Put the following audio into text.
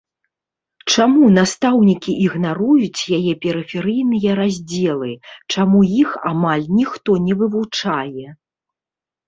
Чаму настаўнікі ігнаруюць яе перыферыйныя раздзелы, чаму іх амаль ніхто не вывучае?